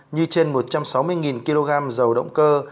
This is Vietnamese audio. như trên một trăm sáu mươi kg dầu động cơ